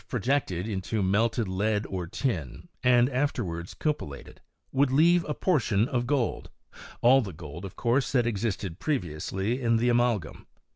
projected into melted lead or tin, and afterwards cu pellated, would leave a portion of gold — all the gold of course that existed previously in the amalgam.